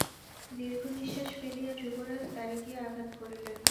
দীর্ঘনিশ্বাস ফেলিয়া যুবরাজ দ্বারে গিয়া আঘাত করিলেন।